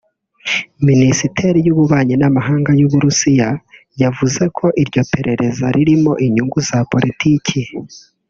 Minisiteri y’Ububanyi n’Amahanga y’u Burusiya yavuze ko iryo perereza ririmo inyungu za politiki